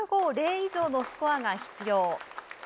以上のスコアが必要。